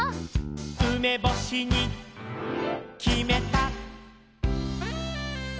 「うめぼしにきめた！」